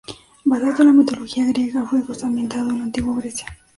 Basado en la mitología griega, el juego está ambientado en la Antigua Grecia.